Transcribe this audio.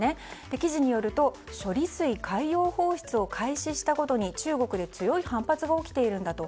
記事によると処理水海洋放出を開始したことに中国で強い反発が起きているんだと。